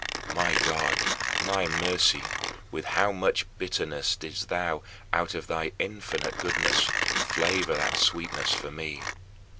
My God, my mercy, with how much bitterness didst thou, out of thy infinite goodness, flavor that sweetness for me!